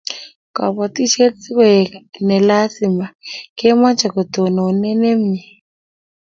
kabotishe sikoek ne lazimakomeche katononee nemie